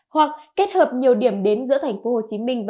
hoặc kết hợp nhiều điểm đến tp hcm